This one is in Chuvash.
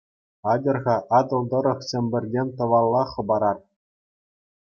Атьӑр-ха, Атӑл тӑрӑх Чӗмпӗртен тӑвалла хӑпарар.